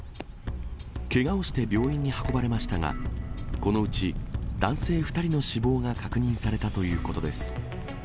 けがをして病院に運ばれましたが、このうち男性２人の死亡が確認されたということです。